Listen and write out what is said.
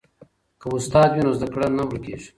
که استاد وي نو زده کړه نه ورکیږي.